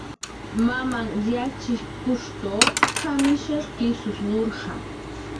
Mamanh yatxichkush qamish kis nurja.